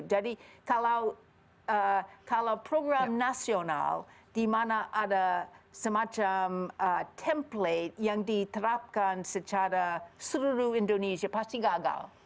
kalau program nasional di mana ada semacam template yang diterapkan secara seluruh indonesia pasti gagal